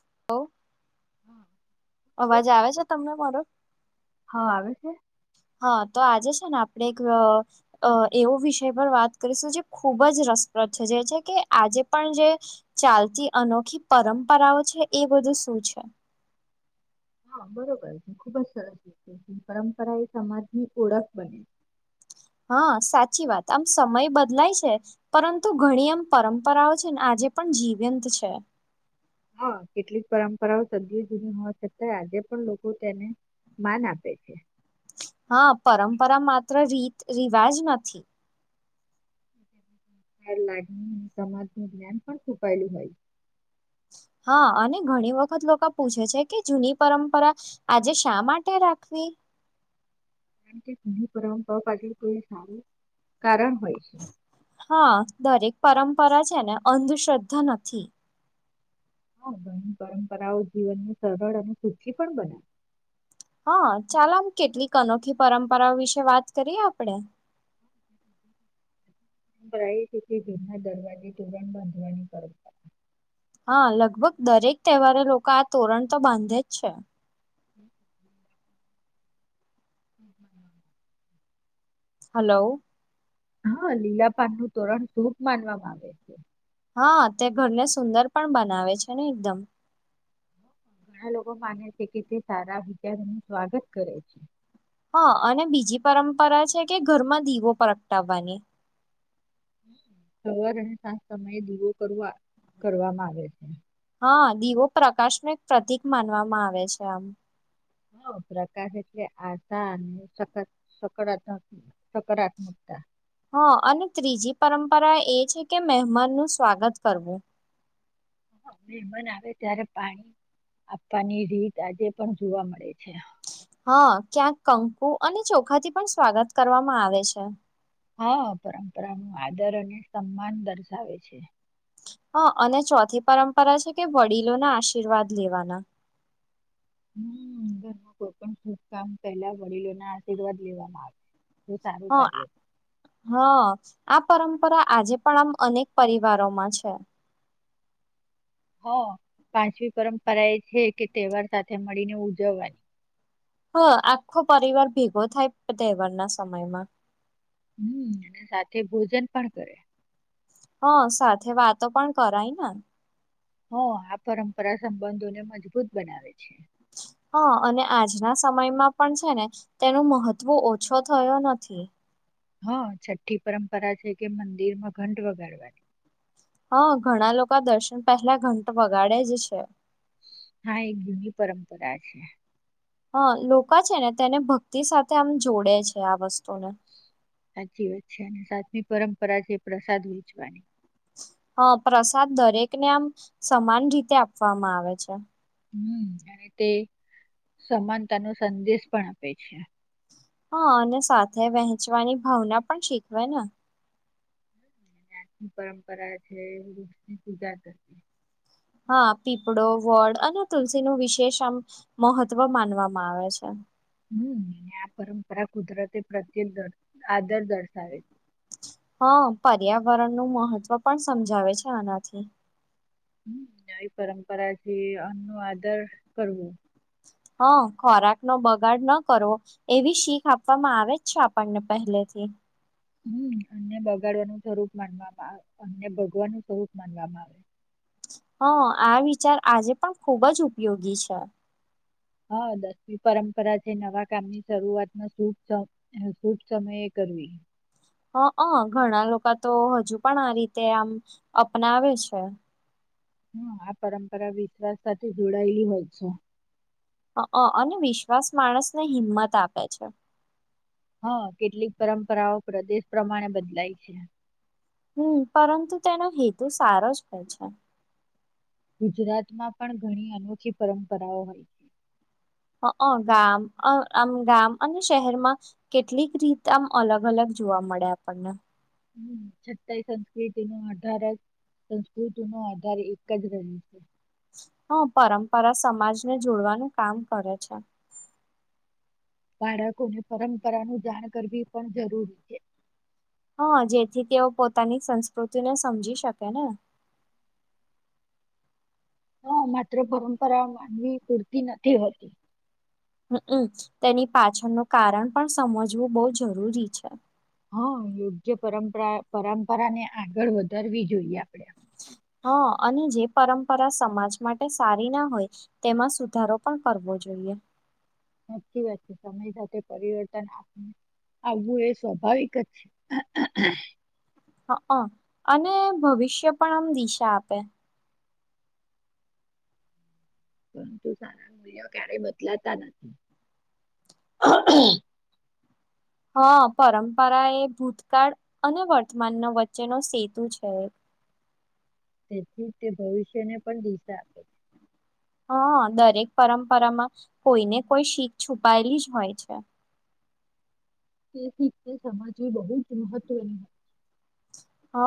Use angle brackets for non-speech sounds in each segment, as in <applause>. <unintelligible> હમ અવાજ આવે છે. તમને મારો? હા આવે છે. હા તો આજે છે ને આપણે એક એવો વિષય પર વાત કરીશું જે ખુબ જ રસપ્ર દ જે છે કે આજે પણ જે ચાલતી અનોખી પરંપરાઓ છે એ બધું અછા. હા બરોબર ખુબ જ સરસ રીતે પરંપરા એ સમાજ ની ઓળખ બને. હા સાચી વાત આમ સમય બદલાય છે. પરંતુ ઘણી આમ પરંપરાઓ છે ને આજે પણ પણ જીવ્યંત છે. હા કેટલીક પરંપરાઓ સદીદી જૂની હોવા છતાં આજે પણ લોકો તેને માન આપે છે. હા પરંપરા માત્ર રીત રિવાજ નથી. <unintelligible> સમાજ નું જ્ઞાન પણ છુપાયેલું હોય. <inaudible> હા અને ઘણી વખત લોકો પૂછે છે કે જૂની પરંપરા આજે શા માટે રાખવી? કારણ કે ઘણી પરંપરા પાછળ તો એ સારું કારણ હોય છે. હા દરેક પરંપરા છે ને અંધશ્રદ્ધા નથી. હા ઘણી પરંપરાઓ જીવનને સરળ અને સૂચી પણ બનાવે. હા ચાલ આમ કેટલીક અનોખી પરંપરાઓ વિશે વાત કરીએ આપણેે? <inaudible> પ્રાયથી થી ઘીરનાદરવાજે તોરણ બાંધવાની પરંપરા. હા લગભગ દરેક તહેવારે લોકો આ તોરણ તો બાંધે જ છે. <inaudible> <inaudible> હલો. હા લીલા પાન નું તોરણ શુભ માનવામાં આવે છે. હા તે ઘરને સુંદર પણ બનાવે છે ને એકદમ. ઘણા લોકો માને છે કે તે સારા વિચાર નું સ્વાગત કરે છે. હા અને બીજી પરંપરા છે કે ઘરમાં દીવો પ્રગટાવવાની. સવાર અને સાજ સમયે દીવો કરવ કરવામાં આવે છે. હા દીવો પ્રકાશ નું એક પ્રતિક માનવામાં આવે છે આમ. હ પ્રકાશ એટલે આશા અને સકારત્મક સકારાત્મકતા. હા અને ત્રીજી પરંપરા એ છે કે મહેમાન નું સ્વાગત કરવું. <unintelligible> મન આવે ત્યારે પાણી આપવાની રીત આજે પણ જોવા મળે છે. હા ક્યાંક કંકુ અને ચોખાથી પણ સ્વાગત કરવામાં આવે છે. હા પરંપરા નો આદર અને સન્માન દર્શાવે છે. હ અને ચોથી પરંપરા છે કે વડીલોના આશીર્વાદ લેવાના. હમ ઘરમાં કોઈ પણ ખૂબ કામ પયેલા વડીલો ના આશીર્વાદ લેવામાં આવે. તો સારું હ કાર્ય હા આ પરમ પરપરા આજે પણ આમ અનેક પરિવારોમાં છે. હ પાંચમ પરંપરા એ છે કે તહેવાર સાથે મળીને ઉજવવાની. હા આખો પરિવાર ભેગો થાય તહેવારના સમયમાં. હમ્મ અને સાથે ભોજન પણ કરે. હ સાથે વાતો પણ કરાય ને. હ આ પરંપરા સંબંધોને મજબૂત બનાવે છે. <unintelligible> હા અને આજના સમયમાં પણ છે ને તેનું મહત્વ ઓછો થયો નથી. હા છઠ્ઠી પરંપરા છે કે મંદિર માં ઘંટ વગાડવાની. હા ઘણા લોકો દર્શન પહેલા ઘંટ વગાડે જ છે. હા એક જુની પરંપરા છે. હ લોકો છે ને તેને ભક્તિ સાથે આમ જોડે છે આ વસ્તુને. સાચી વાત છે અને સાતમી પરંપરા છે પ્રસાદ વેચવાની. હ પ્રસાદ દરેકને આમ સમાન રીતે આપવામાં આવે છે. હમ્મ અને તે સમાનતાનો સંદેશ પણ આપે છે. હ અને સાથે વહેંચવાની ભાવના પણ શીખવે ને. અને આજની પરંપરા છેષની પૂજા કરતી. હા પીપળો વડ અને તુલસી નું વિશેષ આમ મહત્વ માનવામાં આવે છે. હમ્મ અને આ પરંપરા કુદરતી પ્રત્યે આદર દર્શાવે છે. હ પર્યાવરણ નું મહત્વ પણ સમજાવે છે આનાથી. હ આવી પરંપરાથી આમ નુ આદર કરવો. હ ખોરાક નો બગાડ ન કરવો એવી શીખ આપવામાં આવે જ છે આપણને પહેલે. <unintelligible> હમ્મ અને બગાડવાનું સ્વરૂપ માનવામાં આવે અને ભગવાનું સ્વરૂપ માનવામાં આવે. હા આ વિચાર આજે પણ ખુબ જ ઉપયોગી છે. હ દસમી પરંપરા છે નવા કામની શરૂઆતમાં શુભ શુભ સમયે કરવી. હ અ ઘણા લોકો તો હજુ પણ આ રીતે આમ અપનાવે છે. હમ્મ આ પરંપરા વિશ્વાસ સાથે જોડાયેલી હોય છે. અ અ અને વિશ્વાસ માણસને હિંમત આપે છે. હ કેટલીક પરંપરાઓ પ્રદેશ પ્રમાણે બદલાય છે. હમ્મ પરંતુ તેનો હેતુ સારો જ હોય છે. ગુજરાતમાં પણ ઘણી અનોખી પરંપરાઓ હોય છે. અ અ ગામ આમ ગામ અને શહેરમાં કેટલીક રીત આમ અલગ અલગ જોવા મળે આપણને. હમ્મ છતાય સંસ્કૃતિ નો આધાર જ સંસ્કૃતિ નો આધાર એક જ રહે છે. હા, પરંપરા સમાજને જોડવાનું કામ કરે છે. બાળકોને પરંપરાનું જાણ કરવી પણ જરૂરી છે. હા, જેથી તેઓ પોતાની સંસ્કૃતિને સમજી શકે ને. હા, માત્ર પરંપરા માનવી પૂરતી નથી હોતી. હમ, હમ, તેની પાછળનું કારણ પણ સમજવું બહુ જરૂરી છે. હા, યોગ્ય પરંપરા પરંપરા ને આગળ વધારવી જોઈએ. આપડે હા અને જે પરંપરા સમાજ માટે સારી ના હોય, તેમાં સુધારો પણ કરવો જોઈએ. સાચી વાત છે, સમય સાથે પરિવર્તન આપું. આવવું એ સ્વાભાવિક જ છે. અને ભવિષ્ય પણ આમ દિશા આપે. પરંતુ સારા મૂલ્ય ક્યારેય બદલાતા નથી. <inaudible> હા, પરંપરા એ ભૂતકાળ અને વર્તમાન વચ્ચેનો સેતુ છે. <unintelligible> તેથી તે ભવિષ્યને પણ દિશા આપે છે. હા, દરેક પરંપરામાં કોઈને કોઈ શીખ છુપાયેલી જ હોય છે. તે શીખ સમાજ બહુ જ મહત્વની હોય. હ,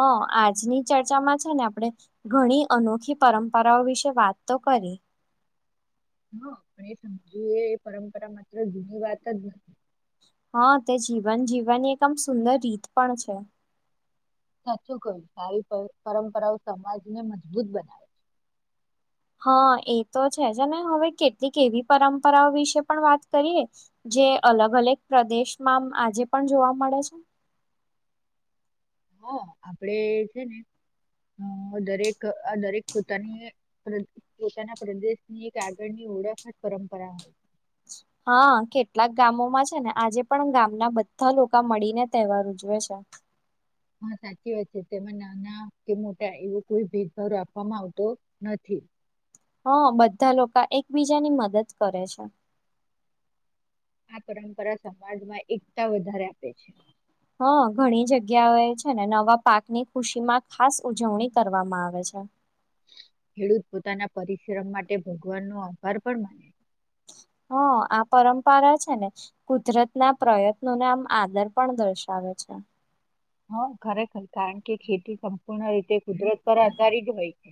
આજની ચર્ચામાં છે ને આપણેે ઘણી અનોખી પરંપરાઓ વિશે વાત તો કરી. હા, પણ એ સમજી એ પરંપરા માત્ર જૂની વાત જ નથી. હા, તે જીવન જીવવાની એક આમ સુંદર રીત પણ છે. સાચું કહ્યું, સારી પરંપરાઓ સમાજને મજબૂત બનાવે છે. હા, એ તો છે જ, અને હવે કેટલીક એવી પરંપરાઓ વિશે પણ વાત કરીએ. જે અલગ અલગ પ્રદેશમાં આજે પણ જોવા મળે છે. હા, આપડે છે ને. અ દરેક-દરેક પોતાની પોતાના પ્રદેશની એક આગળની ઓડ પરંપરા. <unintelligible> હા, કેટલાક ગામોમાં છે ને, આજે પણ ગામના બધા લોકો મળીને તહેવાર ઉજવે છે. <unintelligible> હા, સાચી વાત છે, તેમાં નાના કે મોટા એવો કોઈ ભેદભાવ આપવામાં આવતો નથી. <unintelligible> હા, બધા લોકો એકબીજાની મદદ કરે છે. આ પરંપરા સમાજમાં એકતા વધારે આપે છે. હ, ઘણી જગ્યાઓ એ છે ને, નવા પાક ની ખુશી માં ખાસ ઉજવણી કરવામાં આવે છે. હ. ખેડૂત પોતાના પરિશ્રમ માટે ભગવાનનો આભાર પણ માને. હ. હ, આ પરંપરા છે ને, કુદરત ના પ્રયત્નોને આમ આદર પણ દર્શાવે છે. અચ્છા. હા, ખરેખર, કારણ કે ખેતી સંપૂર્ણ રીતે કુદરત પર આધારિત હોય છે.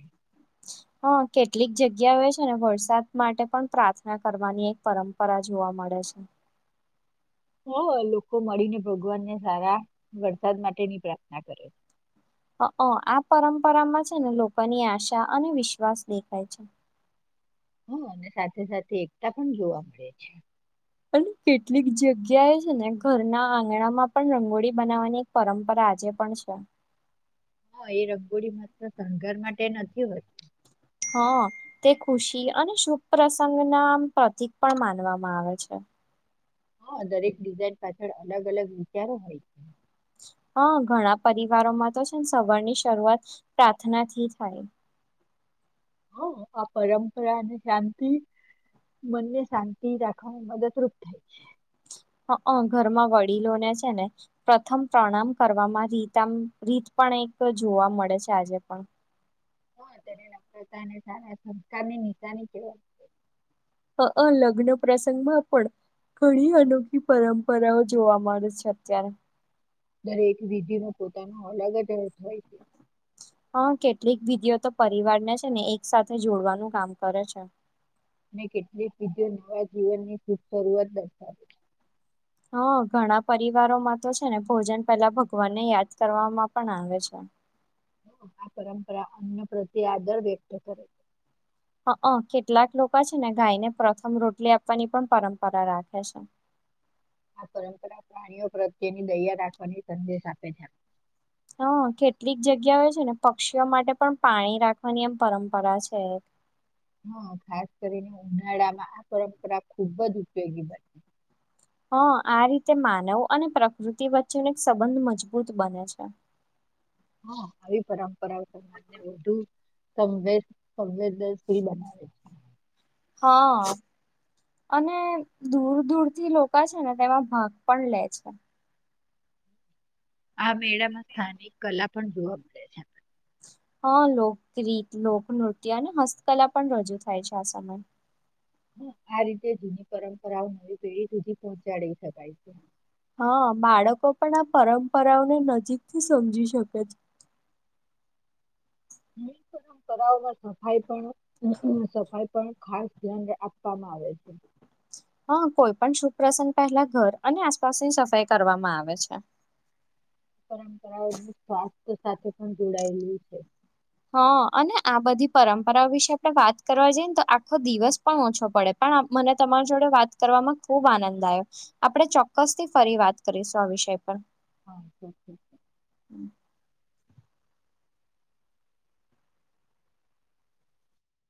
હા, કેટલીક જગ્યા હો છે ને, વરસાદ માટે પણ પ્રાર્થના કરવાની એક પરંપરા. જોવા મળે છે. હા, લોકો મળીને ભગવાનને સારા વરસાદ માટેની પ્રાર્થના કરે છે. આ પરંપરામાં છે ને, લોકોની આશા અને વિશ્વાસ દેખાય છે. હ, અને સાથે સાથે એકતા પણ જોવા મળે છે. કેટલીક જગ્યા એ છે ને, ઘરના આંગણા માં પણ રંગોળી બનાવવાની એક પરંપરા આજે. પણ છે. હા, એ રંગોળી માત્ર શણગાર માટે નથી હોતી. હ તે ખુશી અને શુભ પ્રસંગ ના પ્રતિક પણ માનવામાં આવે છે, હા દરેક ડિઝાઇન પાછળ અલગ અલગ વિચારો હોય છે. હા, ઘણા પરિવારોમાં તો છે ને સવાર ની શરૂઆત પ્રાર્થના થી થાય, હા આ પરંપરા અને શાંતિ મનને શાંતિ રાખવાવામાં મદદરૂપ થાય છે. ઘરમાં વડીલોને છે ને પ્રથમ પ્રણામ કરવામાં રીતમ રીત પણ એક જોવા મળે છે, આજે પણ હ તેને નમ્રતાને સારા સંસ્કારની નિનીશાની કેવા અ અ લગ્ન પ્રસંગમાં પણ ઘણી અનોખી પરંપરાઓ જોવા મળે છે, અત્યારે દરેક વિધિનો પોતાનો અલગ જર્ થાય છે. હા, કેટલીક વિધિઓ તો પરિવારને છે ને એક સાથે જોડવાનું કામ કરે છે. અને કેટલીક બીજો નવા જીવનની ખુબ શરૂઆત દર્શાવે, હા ઘણા પરિવારોમાં તો છે ને ભોજન પેલા ભગવાનને યાદ કરવામાં પણ આવે છે, આ પરંપરા અન્ન પ્રત્યે આદર વ્યક્ત કરે છે. હ કેટલાક લોકો છે ને ગાયને પ્રથમ રોટલી આપવાની પણ પરંપરા રાખે છે, <unintelligible> આ પરંપરા પ્રાણીઓ પ્રત્યેની દૈયા રાખવાની સંદેશ આપે છે. હા, કેટલીક જગ્યા હો છે ને પક્ષીઓ માટે પણ પાણી રાખવાની એમ પરંપરા છે. હા, ખાસ કરીને ઉનાળા માં આ પરંપરા ખુબ જ ઉપયોગી બની, હા, આ રીતે માનવ અને પ્રકૃતિ વચ્ચેને એક સંબંધ મજબૂત બને છે. હા, આવી પરંપરાઓ સમાજ ને વધુ, સં સંવેરી બનાવે છે. હા અને દૂર દૂરથી લોકો છે ને તેમાં ભાગ પણ લે છે, આ મેળામાં સ્થાનિક કલા પણ જોવા મળે છે, આપ હા લોકગીત લોકનૃત્ય અને હસ્તકલા પણ રજૂ થાય છે, આ સમયે હ આ રીતે જૂની પરંપરાઓ નવી પેઢી સુધી પહોંચાડી શકાય છે. હા બાળકો પણ આ પરંપરાઓને નજીકથી સમજી શકે છે, પણ કરાવ સફાઈ પણ સફાઈ પણ ખાસ ધ્યાન આપવામાં આવે છે, હા, કોઈ પણ શુભ પ્રસંગ પહેલા ઘર અને આસપાસની સફાઈ કરવામાં આવે છે. <inaudible> પરંપરાઓનું સ્વાસ્થ્ય સાથે પણ જોડાયેલું છે, હા અને આ બધી પરંપરાઓ વિશે આપડે વાત કરવા જઈએને તો આખો દિવસ પણ ઓછો પડે, પણ મને તમારા જોડે વાત કરવામાં ખુબ આનંદ આવ્યો આપણે ચોક્કસ થી ફરી વાત કરીશું, આશે છે પણ <unintelligible>